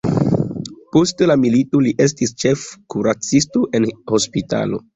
Post la milito li estis ĉefkuracisto en hospitalo.